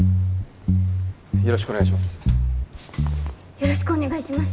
よろしくお願いします。